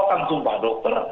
tidak akan sumpah dokter